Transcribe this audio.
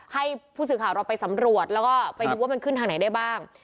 ให้ผู้สื่อข่าวเราไปสำรวจแล้วก็ไปดูว่ามันขึ้นทางไหนได้บ้าง